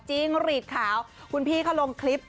หรีดขาวคุณพี่เขาลงคลิป